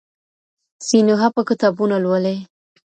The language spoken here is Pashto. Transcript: سینوهه به کتابونه لولي.